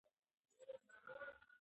دا یو ډېر پنډ او لوی کتاب دی.